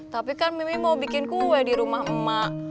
tapi kan mimi mau bikin kue di rumah emak